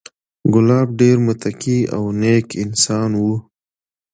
کلاب ډېر متقي او نېک انسان و،